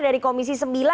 dari komisi sembilan